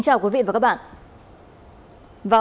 xin cám ơn bà